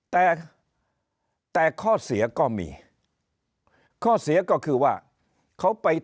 แต่แต่ข้อเสียก็มีข้อเสียก็คือว่าเขาไป